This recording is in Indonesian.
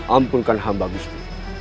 ampunkan hamba gusti